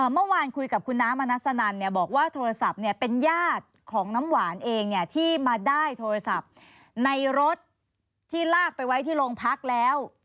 เมื่อวานคุยกับคุณน้ามนัสนันเนี่ยบอกว่าโทรศัพท์เนี่ยเป็นญาติของน้ำหวานเองเนี่ยที่มาได้โทรศัพท์ในรถที่ลากไปไว้ที่โรงพักแล้ว